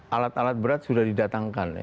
alat alat berat sudah didatangkan